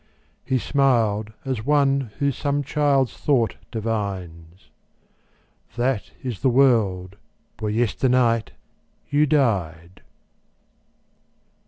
He smiled as one who some child's thought divines: "That is the world where yesternight you died."